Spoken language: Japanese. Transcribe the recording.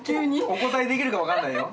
お応えできるか分からないよ。